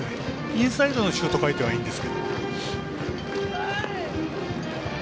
インサイドのシュート回転はいいんですけど。